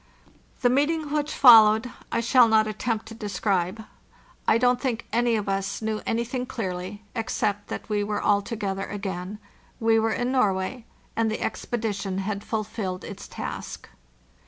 The meeting which followed I shall not attempt to describe. I don't think any of us knew anything clearly, except that we were all together again—we were in Nor way—and the expedition had fulfilled its task.